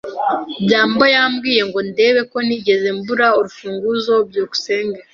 byambo yambwiye ngo ndebe ko ntigeze mbura urufunguzo. byukusenge